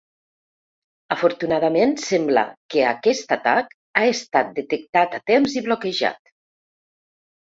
Afortunadament, sembla que aquest atac ha estat detectat a temps i bloquejat.